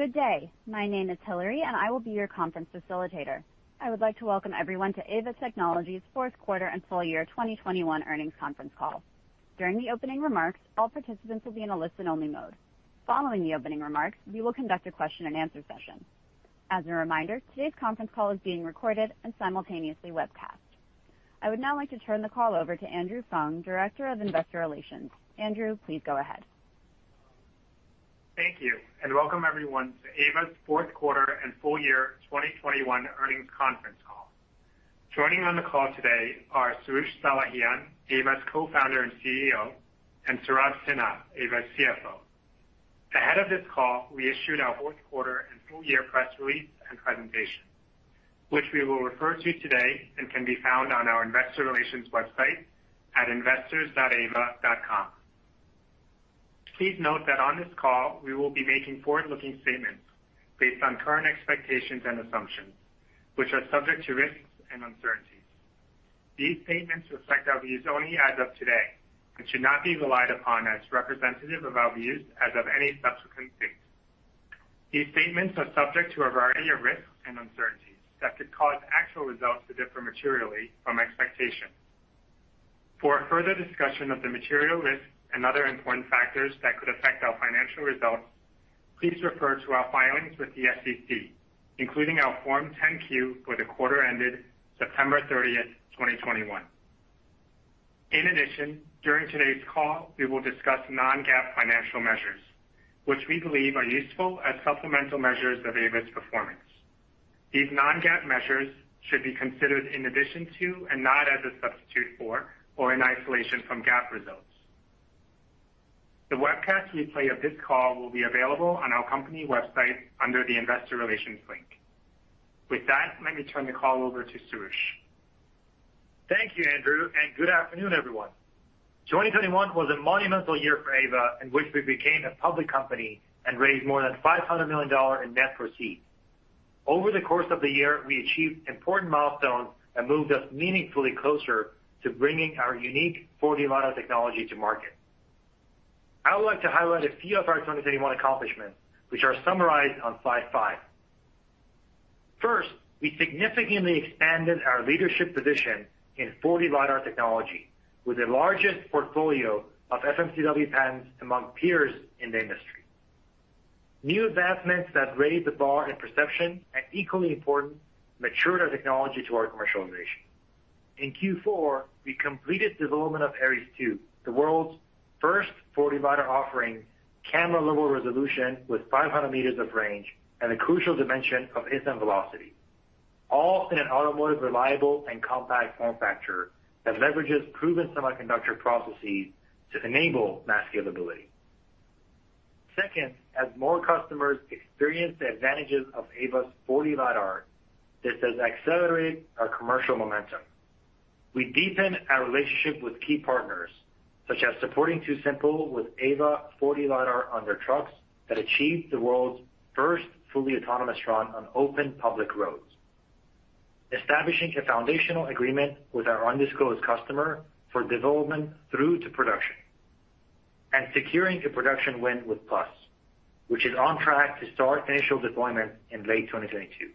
Good day. My name is Hillary, and I will be your conference facilitator. I would like to welcome everyone to Aeva Technologies' fourth quarter and full year 2021 earnings conference call. During the opening remarks, all participants will be in a listen-only mode. Following the opening remarks, we will conduct a question and answer session. As a reminder, today's conference call is being recorded and simultaneously webcast. I would now like to turn the call over to Andrew Fung, Director of Investor Relations. Andrew, please go ahead. Thank you, and welcome everyone to Aeva's fourth quarter and full year 2021 earnings conference call. Joining on the call today are Soroush Salehian, Aeva's Co-founder and CEO, and Saurabh Sinha, Aeva's CFO. Ahead of this call, we issued our fourth quarter and full year press release and presentation, which we will refer to today and can be found on our investor relations website at investors.aeva.com. Please note that on this call, we will be making forward-looking statements based on current expectations and assumptions, which are subject to risks and uncertainties. These statements reflect our views only as of today and should not be relied upon as representative of our views as of any subsequent date. These statements are subject to a variety of risks and uncertainties that could cause actual results to differ materially from expectations. For a further discussion of the material risks and other important factors that could affect our financial results, please refer to our filings with the SEC, including our Form 10-Q for the quarter ended September 30th, 2021. In addition, during today's call, we will discuss non-GAAP financial measures, which we believe are useful as supplemental measures of Aeva's performance. These non-GAAP measures should be considered in addition to and not as a substitute for or in isolation from GAAP results. The webcast replay of this call will be available on our company website under the Investor Relations link. With that, let me turn the call over to Soroush. Thank you, Andrew, and good afternoon, everyone. 2021 was a monumental year for Aeva in which we became a public company and raised more than $500 million in net proceeds. Over the course of the year, we achieved important milestones that moved us meaningfully closer to bringing our unique 4D LiDAR technology to market. I would like to highlight a few of our 2021 accomplishments, which are summarized on slide 5. First, we significantly expanded our leadership position in 4D LiDAR technology with the largest portfolio of FMCW patents among peers in the industry. New advancements that raised the bar in perception and, equally important, matured our technology towards commercialization. In Q4, we completed development of Aeries II, the world's first 4D LiDAR offering camera-level resolution with 500 meters of range and the crucial dimension of instant velocity, all in an automotive reliable and compact form factor that leverages proven semiconductor processes to enable mass scalability. Second, as more customers experience the advantages of Aeva's 4D LiDAR, this has accelerated our commercial momentum. We deepened our relationship with key partners, such as supporting TuSimple with Aeva 4D LiDAR on their trucks that achieved the world's first fully autonomous run on open public roads, establishing a foundational agreement with our undisclosed customer for development through to production, securing a production win with Plus, which is on track to start initial deployment in late 2022.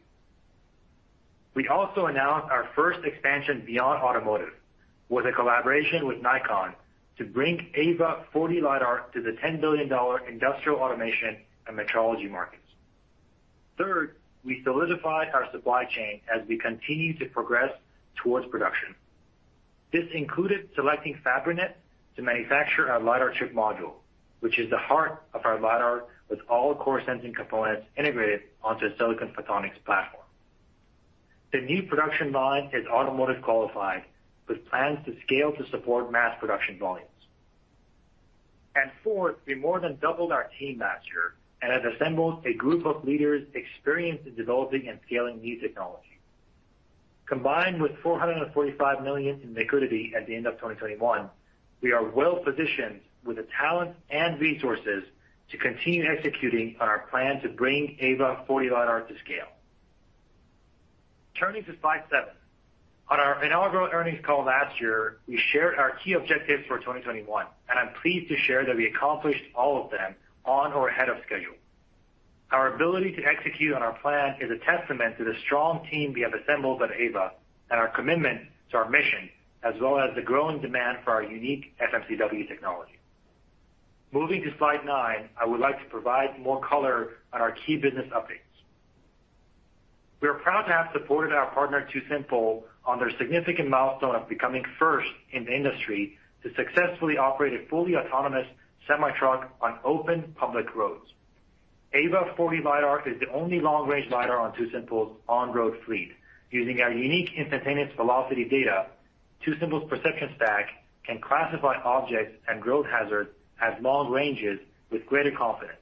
We also announced our first expansion beyond automotive with a collaboration with Nikon to bring Aeva 4D LiDAR to the $10 billion industrial automation and metrology markets. Third, we solidified our supply chain as we continue to progress towards production. This included selecting Fabrinet to manufacture our LiDAR chip module, which is the heart of our LiDAR with all core sensing components integrated onto a silicon photonics platform. The new production line is automotive qualified with plans to scale to support mass production volumes. Fourth, we more than doubled our team last year and have assembled a group of leaders experienced in developing and scaling new technology. Combined with $445 million in liquidity at the end of 2021, we are well-positioned with the talent and resources to continue executing on our plan to bring Aeva 4D LiDAR to scale. Turning to slide 7. On our inaugural earnings call last year, we shared our key objectives for 2021, and I'm pleased to share that we accomplished all of them on or ahead of schedule. Our ability to execute on our plan is a testament to the strong team we have assembled at Aeva and our commitment to our mission as well as the growing demand for our unique FMCW technology. Moving to slide 9, I would like to provide more color on our key business updates. We are proud to have supported our partner, TuSimple, on their significant milestone of becoming first in the industry to successfully operate a fully autonomous semi-truck on open public roads. Aeva 40 LiDAR is the only long-range LiDAR on TuSimple's on-road fleet. Using our unique instantaneous velocity data, TuSimple's perception stack can classify objects and road hazards at long ranges with greater confidence,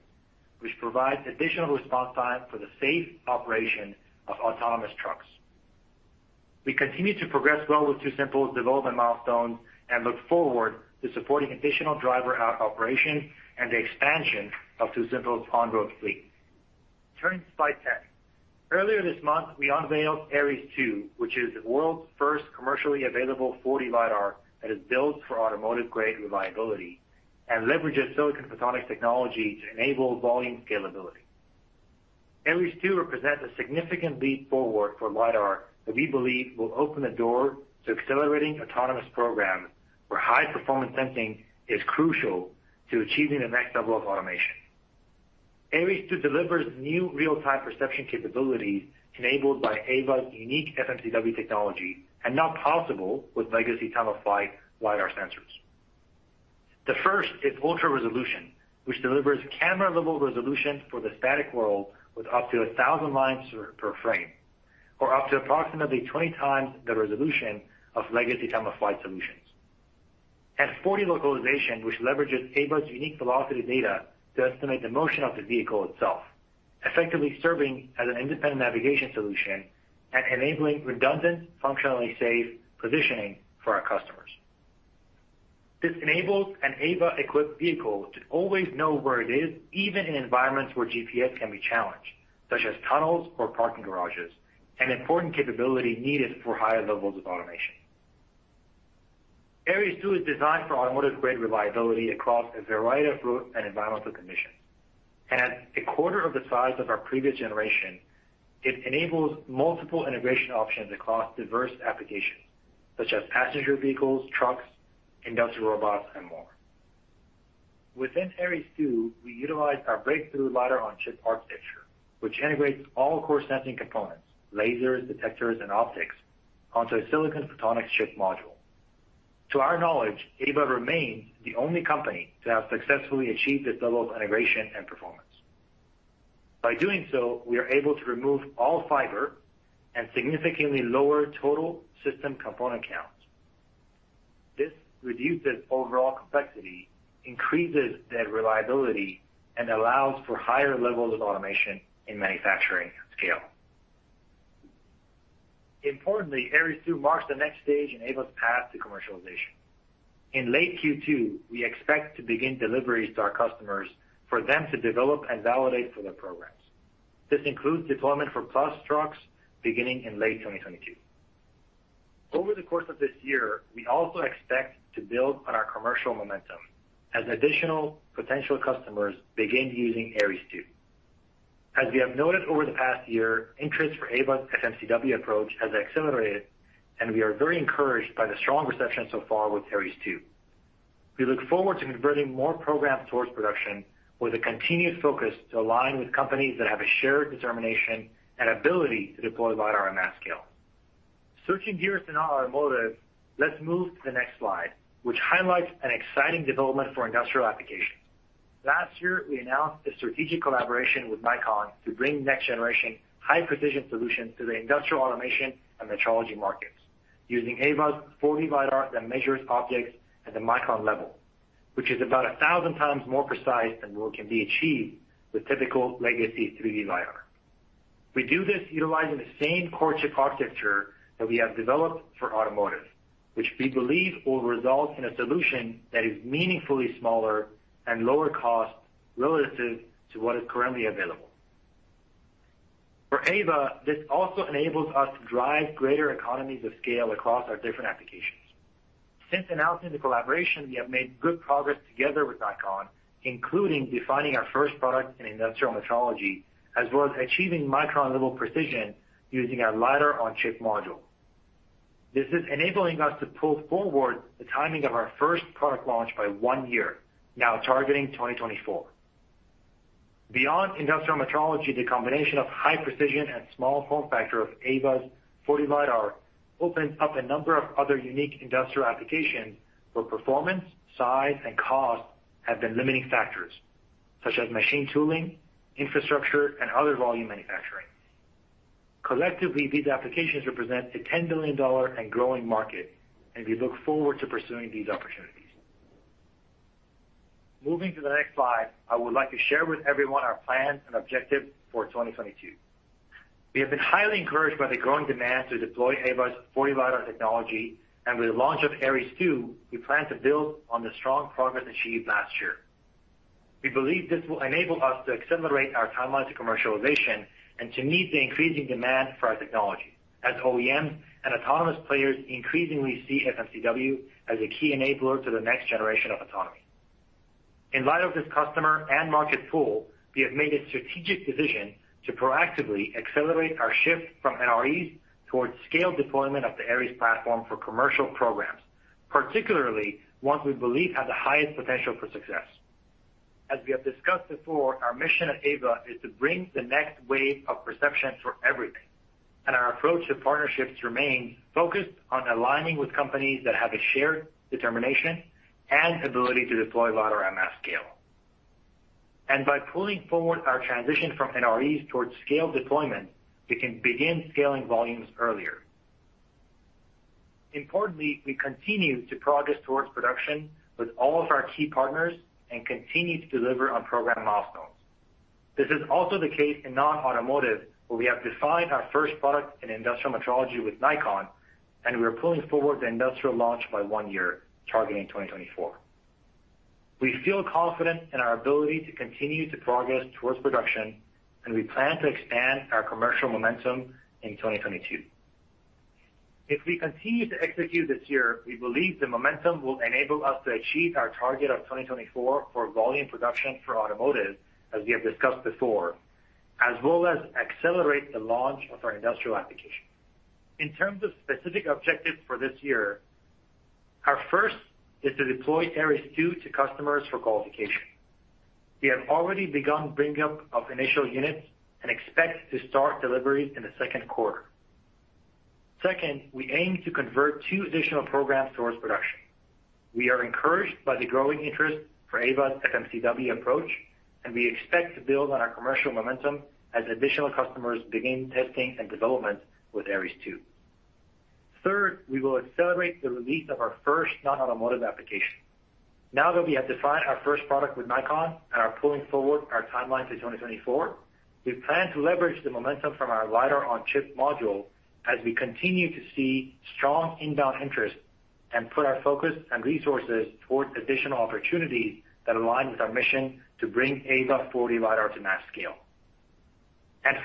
which provides additional response time for the safe operation of autonomous trucks. We continue to progress well with TuSimple's development milestones and look forward to supporting additional driver operation and the expansion of TuSimple's on-road fleet. Turning to slide 10. Earlier this month, we unveiled Aeries II, which is the world's first commercially available 4D LiDAR that is built for automotive-grade reliability and leverages silicon photonics technology to enable volume scalability. Aeries II represents a significant leap forward for LiDAR that we believe will open the door to accelerating autonomous programs where high performance sensing is crucial to achieving the next level of automation. Aeries II delivers new real-time perception capabilities enabled by Aeva's unique FMCW technology and not possible with legacy time-of-flight LiDAR sensors. The first is ultra-resolution, which delivers camera-level resolution for the static world with up to 1,000 lines per frame or up to approximately 20x the resolution of legacy time-of-flight solutions. 4D localization, which leverages Aeva's unique velocity data to estimate the motion of the vehicle itself, effectively serving as an independent navigation solution and enabling redundant, functionally safe positioning for our customers. This enables an Aeva-equipped vehicle to always know where it is, even in environments where GPS can be challenged, such as tunnels or parking garages, an important capability needed for higher levels of automation. Aeries II is designed for automotive-grade reliability across a variety of route and environmental conditions. At a quarter of the size of our previous generation, it enables multiple integration options across diverse applications such as passenger vehicles, trucks, industrial robots, and more. Within Aeries II, we utilized our breakthrough LiDAR-on-chip architecture, which integrates all core sensing components, lasers, detectors, and optics, onto a silicon photonics chip module. To our knowledge, Aeva remains the only company to have successfully achieved this level of integration and performance. By doing so, we are able to remove all fiber and significantly lower total system component counts. This reduces overall complexity, increases the reliability, and allows for higher levels of automation in manufacturing at scale. Importantly, Aeries II marks the next stage in Aeva's path to commercialization. In late Q2, we expect to begin deliveries to our customers for them to develop and validate for their programs. This includes deployment for Class trucks beginning in late 2022. Over the course of this year, we also expect to build on our commercial momentum as additional potential customers begin using Aeries II. As we have noted over the past year, interest for Aeva's FMCW approach has accelerated, and we are very encouraged by the strong reception so far with Aeries II. We look forward to converting more programs towards production with a continued focus to align with companies that have a shared determination and ability to deploy LiDAR at mass scale. Switching gears to non-automotive, let's move to the next slide, which highlights an exciting development for industrial applications. Last year, we announced a strategic collaboration with Nikon to bring next generation high precision solutions to the industrial automation and metrology markets using Aeva's 4D LiDAR that measures objects at the micron level, which is about 1,000x more precise than what can be achieved with typical legacy 3D LiDAR. We do this utilizing the same core chip architecture that we have developed for automotive, which we believe will result in a solution that is meaningfully smaller and lower cost relative to what is currently available. For Aeva, this also enables us to drive greater economies of scale across our different applications. Since announcing the collaboration, we have made good progress together with Nikon, including defining our first product in industrial metrology as well as achieving micron level precision using our LiDAR-on-chip module. This is enabling us to pull forward the timing of our first product launch by one year, now targeting 2024. Beyond industrial metrology, the combination of high precision and small form factor of Aeva's 4D LiDAR opens up a number of other unique industrial applications where performance, size, and cost have been limiting factors, such as machine tooling, infrastructure, and other volume manufacturing. Collectively, these applications represent a $10 billion and growing market, and we look forward to pursuing these opportunities. Moving to the next slide, I would like to share with everyone our plans and objectives for 2022. We have been highly encouraged by the growing demand to deploy Aeva's 4D LiDAR technology. With the launch of Aeries II, we plan to build on the strong progress achieved last year. We believe this will enable us to accelerate our timeline to commercialization and to meet the increasing demand for our technology as OEMs and autonomous players increasingly see FMCW as a key enabler to the next generation of autonomy. In light of this customer and market pull, we have made a strategic decision to proactively accelerate our shift from NREs towards scaled deployment of the Aeries platform for commercial programs, particularly ones we believe have the highest potential for success. As we have discussed before, our mission at Aeva is to bring the next wave of perception for everything, and our approach to partnerships remains focused on aligning with companies that have a shared determination and ability to deploy LiDAR at mass scale. By pulling forward our transition from NREs towards scaled deployment, we can begin scaling volumes earlier. Importantly, we continue to progress towards production with all of our key partners and continue to deliver on program milestones. This is also the case in non-automotive, where we have defined our first product in industrial metrology with Nikon, and we are pulling forward the industrial launch by one year, targeting 2024. We feel confident in our ability to continue to progress towards production, and we plan to expand our commercial momentum in 2022. If we continue to execute this year, we believe the momentum will enable us to achieve our target of 2024 for volume production for automotive as we have discussed before, as well as accelerate the launch of our industrial application. In terms of specific objectives for this year, our first is to deploy Aeries II to customers for qualification. We have already begun bring up of initial units and expect to start deliveries in the second quarter. Second, we aim to convert two additional programs towards production. We are encouraged by the growing interest for Aeva's FMCW approach, and we expect to build on our commercial momentum as additional customers begin testing and development with Aeries II. Third, we will accelerate the release of our first non-automotive application. Now that we have defined our first product with Nikon and are pulling forward our timeline to 2024, we plan to leverage the momentum from our LiDAR-on-chip module as we continue to see strong inbound interest and put our focus and resources towards additional opportunities that align with our mission to bring Aeva's 4D LiDAR to mass scale.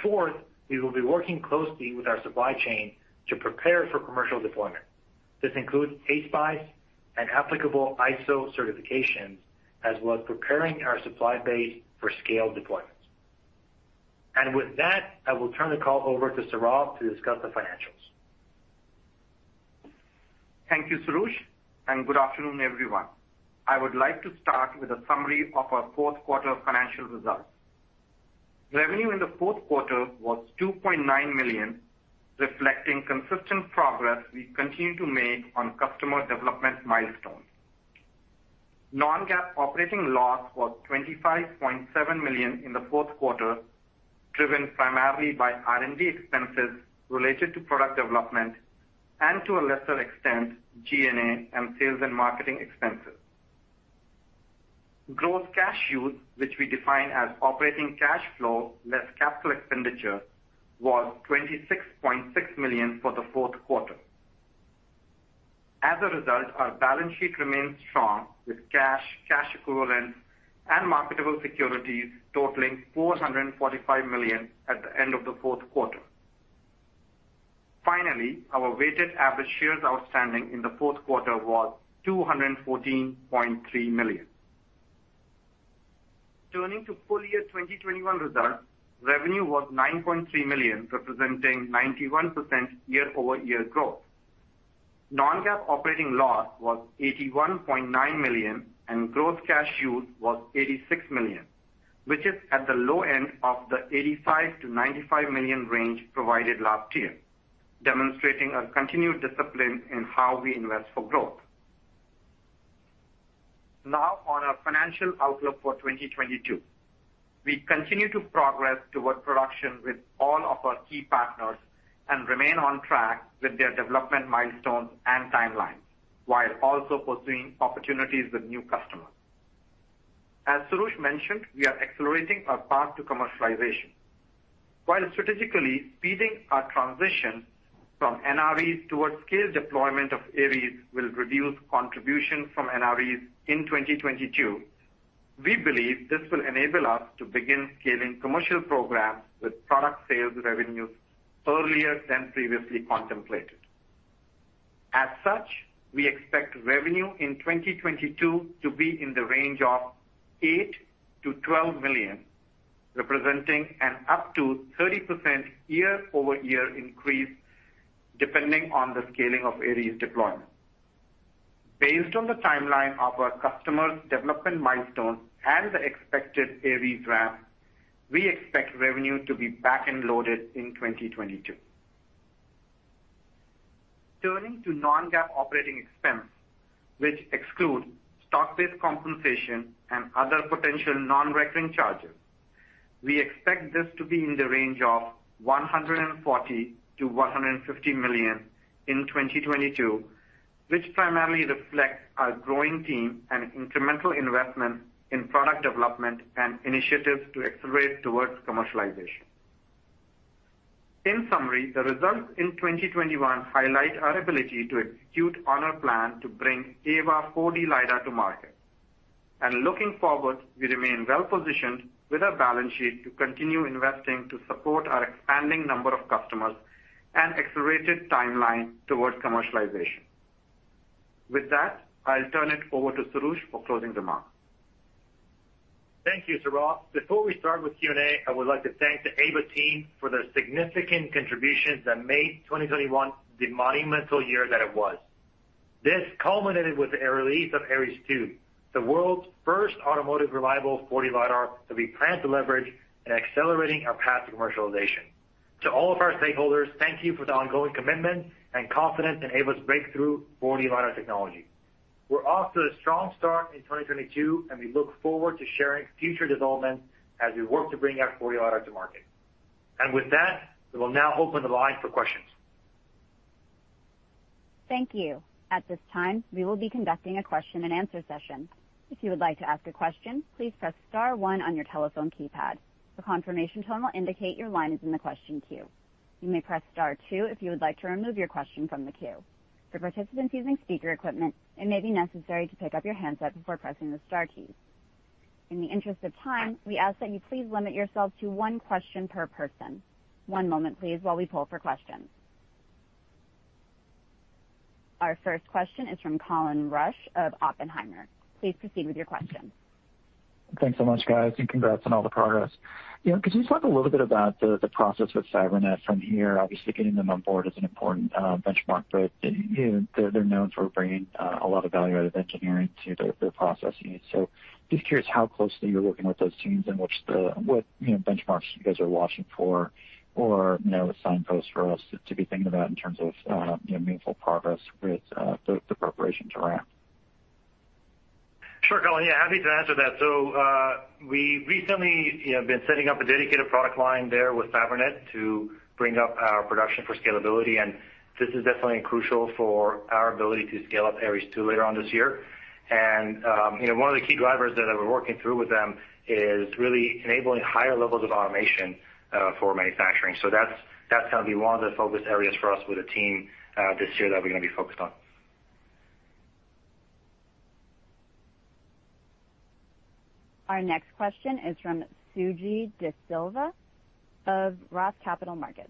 Fourth, we will be working closely with our supply chain to prepare for commercial deployment. This includes ASPICE and applicable ISO certifications, as well as preparing our supply base for scaled deployments. With that, I will turn the call over to Saurabh to discuss the financials. Thank you, Soroush, and good afternoon, everyone. I would like to start with a summary of our fourth quarter financial results. Revenue in the fourth quarter was $2.9 million, reflecting consistent progress we continue to make on customer development milestones. Non-GAAP operating loss was $25.7 million in the fourth quarter, driven primarily by R&D expenses related to product development and to a lesser extent, G&A and sales and marketing expenses. Gross cash use, which we define as operating cash flow, less capital expenditure, was $26.6 million for the fourth quarter. As a result, our balance sheet remains strong with cash equivalents, and marketable securities totaling $445 million at the end of the fourth quarter. Finally, our weighted average shares outstanding in the fourth quarter was 214.3 million. Turning to full year 2021 results, revenue was $9.3 million, representing 91% year-over-year growth. non-GAAP operating loss was $81.9 million, and gross cash use was $86 million, which is at the low end of the $85 million-$95 million range provided last year, demonstrating our continued discipline in how we invest for growth. Now on our financial outlook for 2022. We continue to progress toward production with all of our key partners and remain on track with their development milestones and timelines while also pursuing opportunities with new customers. As Soroush mentioned, we are accelerating our path to commercialization. While strategically speeding our transition from NREs towards scale deployment of Aeries will reduce contributions from NREs in 2022, we believe this will enable us to begin scaling commercial programs with product sales revenues earlier than previously contemplated. As such, we expect revenue in 2022 to be in the range of $8 million-$12 million, representing an up to 30% year-over-year increase, depending on the scaling of Aeries deployment. Based on the timeline of our customers' development milestones and the expected Aeries ramp, we expect revenue to be back-end loaded in 2022. Turning to non-GAAP operating expense, which excludes stock-based compensation and other potential non-recurring charges, we expect this to be in the range of $140 million-$150 million in 2022, which primarily reflects our growing team and incremental investment in product development and initiatives to accelerate towards commercialization. In summary, the results in 2021 highlight our ability to execute on our plan to bring Aeva 4D LiDAR to market. Looking forward, we remain well positioned with our balance sheet to continue investing to support our expanding number of customers and accelerated timeline towards commercialization. With that, I'll turn it over to Soroush for closing remarks. Thank you, Saurabh. Before we start with Q&A, I would like to thank the Aeva team for their significant contributions that made 2021 the monumental year that it was. This culminated with the release of Aeries II, the world's first automotive reliable 4D LiDAR that we plan to leverage in accelerating our path to commercialization. To all of our stakeholders, thank you for the ongoing commitment and confidence in Aeva's breakthrough 4D LiDAR technology. We're off to a strong start in 2022, and we look forward to sharing future developments as we work to bring our 4D LiDAR to market. With that, we will now open the line for questions. Thank you. At this time, we will be conducting a question and answer session. If you would like to ask a question, please press star one on your telephone keypad. The confirmation tone will indicate your line is in the question queue. You may press star two if you would like to remove your question from the queue. For participants using speaker equipment, it may be necessary to pick up your handset before pressing the star key. In the interest of time, we ask that you please limit yourself to one question per person. One moment please while we poll for questions. Our first question is from Colin Rusch of Oppenheimer. Please proceed with your question. Thanks so much, guys, and congrats on all the progress. You know, could you talk a little bit about the process with Fabrinet from here? Obviously, getting them on board is an important benchmark, but, you know, they're known for bringing a lot of value out of engineering to their processes. Just curious how closely you're working with those teams and what benchmarks you guys are watching for or, you know, signposts for us to be thinking about in terms of meaningful progress with the preparation to ramp. Sure, Colin. Yeah, happy to answer that. We recently, you know, have been setting up a dedicated product line there with Fabrinet to bring up our production for scalability, and this is definitely crucial for our ability to scale up Aeries II later on this year. You know, one of the key drivers that we're working through with them is really enabling higher levels of automation for manufacturing. That's gonna be one of the focus areas for us with the team this year that we're gonna be focused on. Our next question is from Sujeeva De Silva of ROTH Capital Partners.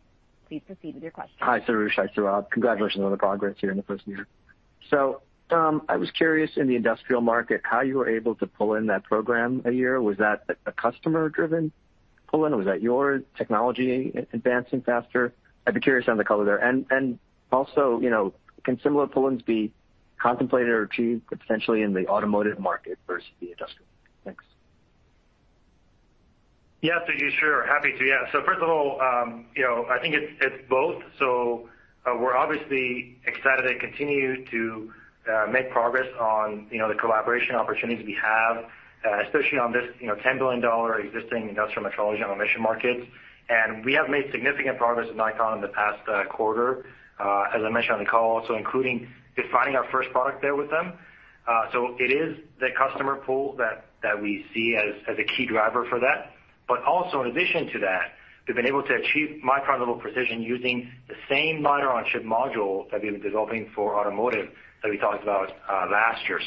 Please proceed with your question. Hi, Soroush. Hi, Saurabh. Congratulations on the progress here in the first year. I was curious in the industrial market, how you were able to pull in that program a year. Was that a customer-driven pull-in? Was that your technology advancing faster? I'd be curious on the color there. Also, you know, can similar pull-ins be contemplated or achieved potentially in the automotive market versus the industrial? Thanks. Yeah, Suji. Sure. Happy to. Yeah. First of all, you know, I think it's both. We're obviously excited and continue to make progress on, you know, the collaboration opportunities we have, especially on this, you know, $10 billion existing industrial metrology automation market. We have made significant progress with Nikon in the past quarter, as I mentioned on the call also, including defining our first product there with them. It is the customer pull that we see as a key driver for that. Also in addition to that, we've been able to achieve micron-level precision using the same LiDAR-on-chip module that we've been developing for automotive that we talked about last year.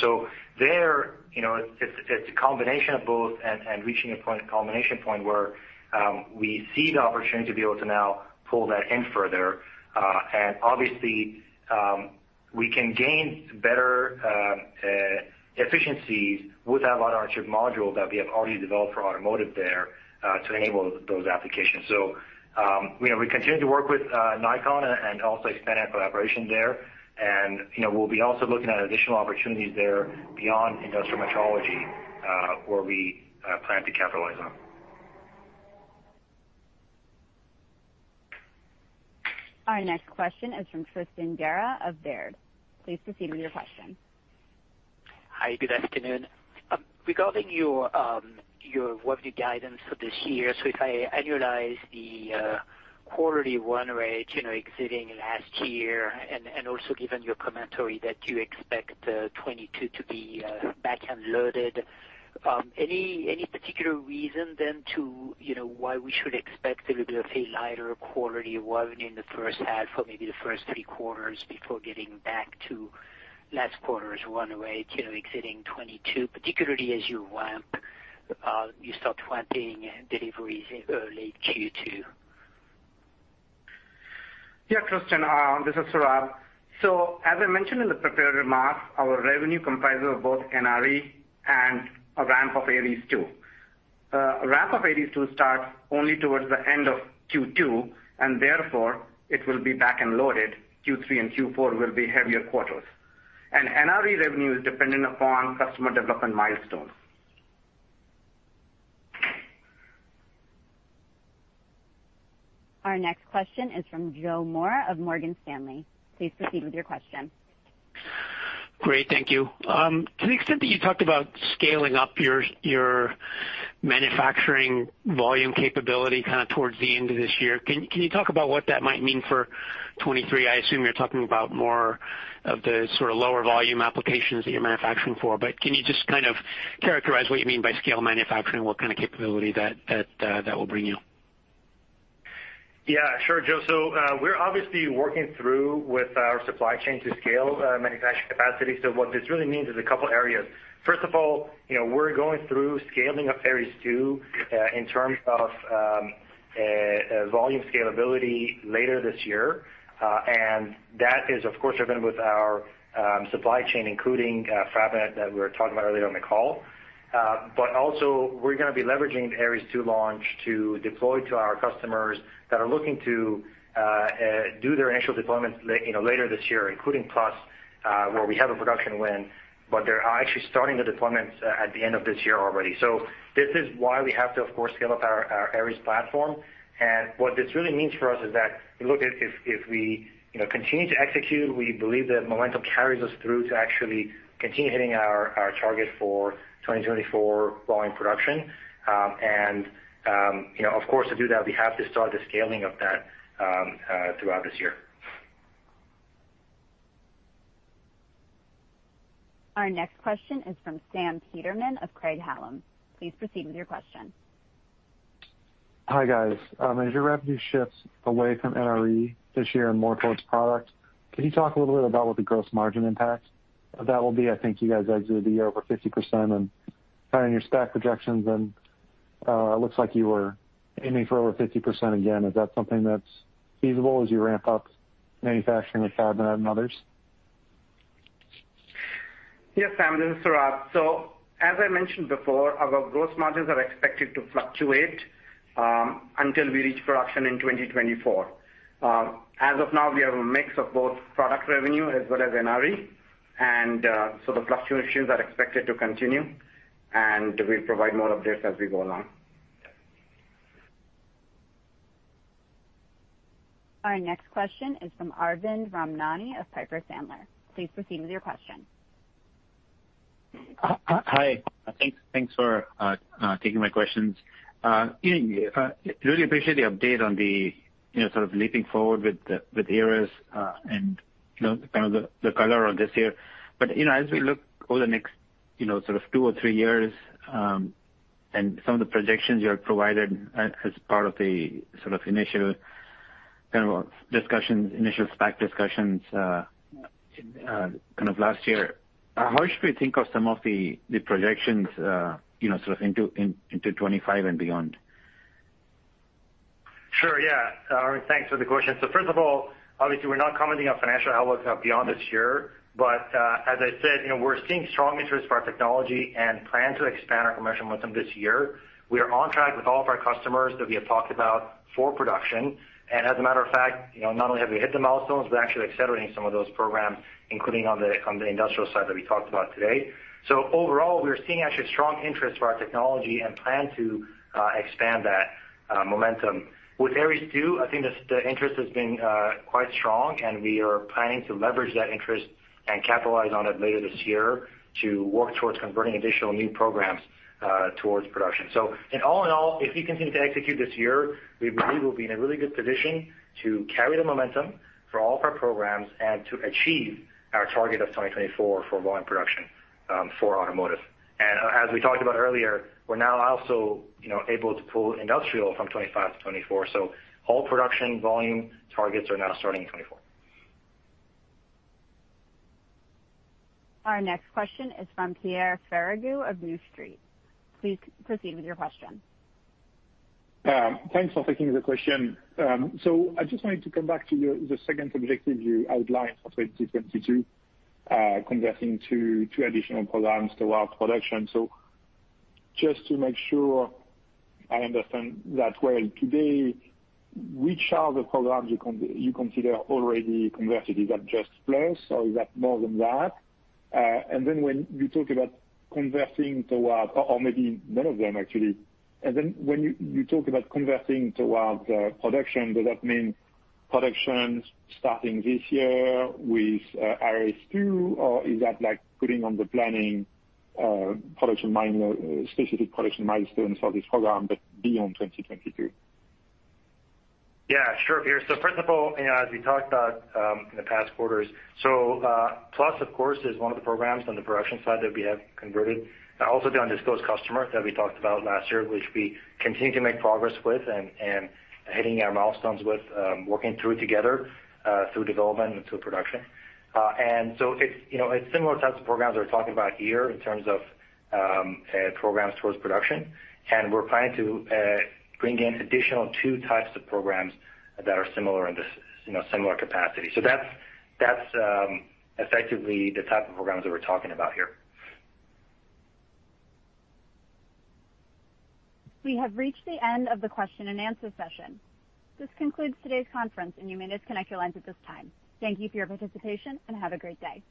There, you know, it's a combination of both and reaching a combination point where we see the opportunity to be able to now pull that in further. Obviously, we can gain better efficiencies with that LiDAR-on-chip module that we have already developed for automotive there to enable those applications. You know, we continue to work with Nikon and also expand our collaboration there. You know, we'll be also looking at additional opportunities there beyond industrial metrology where we plan to capitalize on. Our next question is from Christian Guerra of Baird. Please proceed with your question. Hi, good afternoon. Regarding your revenue guidance for this year, if I annualize the quarterly run rate, you know, exiting last year and also given your commentary that you expect 2022 to be back-end loaded, any particular reason then to, you know, why we should expect there will be a lighter quarterly revenue in the first half or maybe the first three quarters before getting back to last quarter's run rate, you know, exiting 2022, particularly as you start ramping deliveries in early Q2? Yeah, Tristan, this is Saurabh. As I mentioned in the prepared remarks, our revenue comprises of both NRE and a ramp of Aeries II. Ramp of Aeries II starts only towards the end of Q2, and therefore it will be back-end loaded. Q3 and Q4 will be heavier quarters. NRE revenue is dependent upon customer development milestones. Our next question is from Joseph Moore of Morgan Stanley. Please proceed with your question. Great. Thank you. To the extent that you talked about scaling up your manufacturing volume capability kind of towards the end of this year, can you talk about what that might mean for 2023? I assume you're talking about more of the sort of lower volume applications that you're manufacturing for. Can you just kind of characterize what you mean by scale manufacturing and what kind of capability that will bring you? Yeah, sure, Joe. We're obviously working through with our supply chain to scale manufacturing capacity. What this really means is a couple areas. First of all, you know, we're going through scaling up Aeries II in terms of volume scalability later this year. That is of course driven with our supply chain, including Fabrinet that we were talking about earlier on the call. But also we're gonna be leveraging the Aeries II launch to deploy to our customers that are looking to do their initial deployments you know, later this year, including Plus, where we have a production win, but they're actually starting the deployments at the end of this year already. This is why we have to of course scale up our Aeries platform. What this really means for us is that, look, if we, you know, continue to execute, we believe the momentum carries us through to actually continue hitting our target for 2024 volume production. You know, of course, to do that, we have to start the scaling of that throughout this year. Our next question is from Sam Peterman of Craig-Hallum. Please proceed with your question. Hi, guys. As your revenue shifts away from NRE this year and more towards product, can you talk a little bit about what the gross margin impact of that will be? I think you guys exited the year over 50% and planning your stack projections and looks like you were aiming for over 50% again. Is that something that's feasible as you ramp up manufacturing with Fabrinet and others? Yes, Sam, this is Saurabh. As I mentioned before, our gross margins are expected to fluctuate until we reach production in 2024. As of now, we have a mix of both product revenue as well as NRE. The fluctuations are expected to continue, and we'll provide more updates as we go along. Our next question is from Arvind Ramnani of Piper Sandler. Please proceed with your question. Hi. Thanks for taking my questions. You know, really appreciate the update on the, you know, sort of leaping forward with Aeries, and you know, kind of the color on this year. You know, as we look over the next, you know, sort of two or three years, and some of the projections you have provided as part of the sort of initial kind of discussions, initial SPAC discussions, kind of last year, how should we think of some of the projections, you know, sort of into 2025 and beyond? Sure, yeah. Arvind, thanks for the question. First of all, obviously, we're not commenting on financial outlook beyond this year, but, as I said, you know, we're seeing strong interest for our technology and plan to expand our commercial momentum this year. We are on track with all of our customers that we have talked about for production. And as a matter of fact, you know, not only have we hit the milestones, we're actually accelerating some of those programs, including on the industrial side that we talked about today. Overall, we're seeing actually strong interest for our technology and plan to expand that momentum. With Aeries II, I think the interest has been quite strong, and we are planning to leverage that interest and capitalize on it later this year to work towards converting additional new programs towards production. In all, if we continue to execute this year, we believe we'll be in a really good position to carry the momentum for all of our programs and to achieve our target of 2024 for volume production for automotive. As we talked about earlier, we're now also you know able to pull industrial from 25 to 2024. All production volume targets are now starting in 2024. Our next question is from Pierre Ferragu of New Street. Please proceed with your question. Thanks for taking the question. I just wanted to come back to the second objective you outlined for 2022, converting to two additional programs towards production. Just to make sure I understand that well, today, which are the programs you consider already converted? Is that just Plus or is that more than that? Or maybe none of them actually. When you talk about converting towards production, does that mean production starting this year with Aeries II, or is that like putting on the planning, specific production milestones for this program, but beyond 2022? Yeah, sure, Pierre. First of all, you know, as we talked about in the past quarters, Plus, of course, is one of the programs on the production side that we have converted. Also the undisclosed customer that we talked about last year, which we continue to make progress with and hitting our milestones with, working through together through development into production. It's, you know, it's similar types of programs we're talking about here in terms of programs towards production. We're planning to bring in additional two types of programs that are similar in this, you know, similar capacity. That's effectively the type of programs that we're talking about here. We have reached the end of the question and answer session. This concludes today's conference, and you may disconnect your lines at this time. Thank you for your participation, and have a great day.